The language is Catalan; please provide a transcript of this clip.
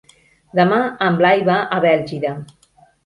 Demà en Blai va a Bèlgida.